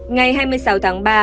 ngày hai mươi sáu tháng ba